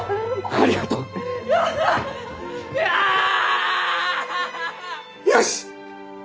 ありがとう！ああ！よし！